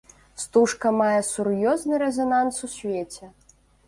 Стужка мае сур'ёзны рэзананс у свеце.